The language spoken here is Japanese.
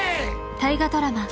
大河ドラマ